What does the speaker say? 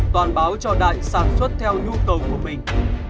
toàn báo cho đại sản xuất theo nhu cầu của mình